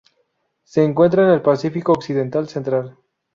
Se encuentra en el Pacífico occidental central.